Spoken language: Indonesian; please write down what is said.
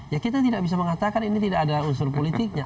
ya kita tidak bisa mengatakan ini tidak ada unsur politiknya